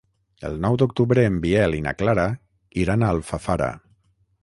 El nou d'octubre en Biel i na Clara iran a Alfafara.